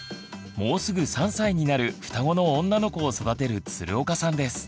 もうすぐ３歳になる双子の女の子を育てる鶴岡さんです。